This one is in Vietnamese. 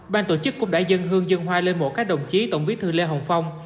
ban tổ chức cũng đã dân hương dân hoa lên mộ các đồng chí tổng bí thư lê hồng phong